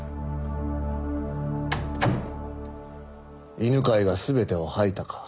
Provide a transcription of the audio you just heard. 犬飼が全てを吐いたか？